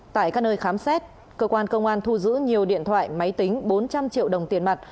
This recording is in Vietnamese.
tại các nơi khám xét cơ quan công an thu giữ nhiều điện thoại máy tính bốn trăm linh triệu đồng tiền mặt